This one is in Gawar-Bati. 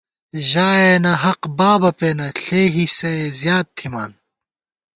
ژایَنہ حق بابہ پېنہ ، ݪے حِصئے زیات تھِمان